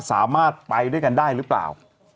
สามารถไปด้วยกันได้หรือเปล่า